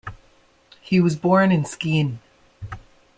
He was born in Skien.